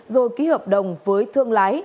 rồi ký hợp đồng với thương lái